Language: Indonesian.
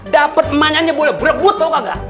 dapat emaknya boleh berebut tau kagak